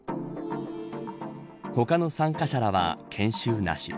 他の参加者らは研修なし。